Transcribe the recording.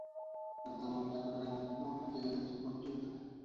Actualmente juega en el Club Lleida Esportiu.